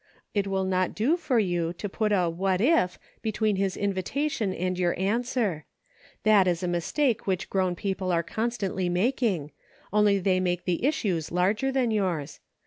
It will not do for you to put a 'what if between his invi tation and your answer ; that is the mistake which grown people are constantly making, only they make the issues larger than yours.